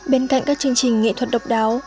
bên cạnh các chương trình nghệ thuật độc đáo